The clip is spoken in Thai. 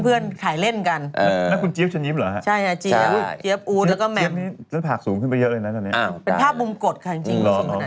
เป็นภาพมุ่มกดค่ะจริง